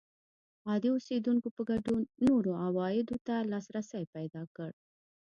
عادي اوسېدونکو په ګډون نورو عوایدو ته لاسرسی پیدا کړ